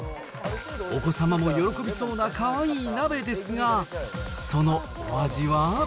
お子様も喜びそうなかわいい鍋ですが、そのお味は。